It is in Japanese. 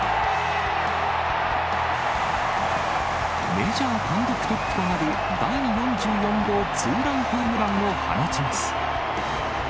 メジャー単独トップとなる第４４号ツーランホームランを放ちます。